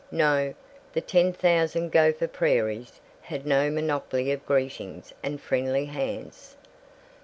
No. The ten thousand Gopher Prairies had no monopoly of greetings and friendly hands.